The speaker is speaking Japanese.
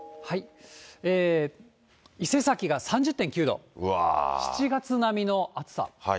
伊勢崎が３０．９度、７月並みの暑さ。